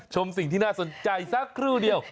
ชมสิ่งที่น่าสนใจสักครู่เดียว